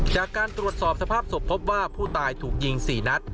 จากการตรวจสอบสภาพศพพบว่าผู้ตายถูกยิง๔นัด